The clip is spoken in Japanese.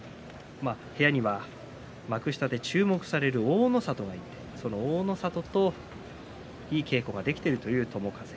部屋には幕下で注目される大の里がいてその大の里といい稽古ができているという友風。